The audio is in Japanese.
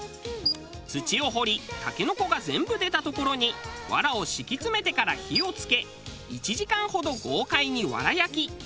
土を掘りタケノコが全部出たところに藁を敷き詰めてから火を付け１時間ほど豪快に藁焼き。